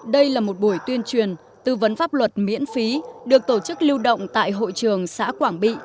đây là một buổi tuyên truyền tư vấn pháp luật miễn phí được tổ chức lưu động tại hội trường xã quảng bị